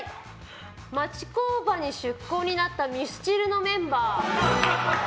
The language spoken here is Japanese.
町工場に出向になったミスチルのメンバー。